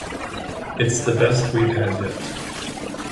It's the best we've had yet.